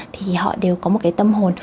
thì họ đều có một cái tâm hồn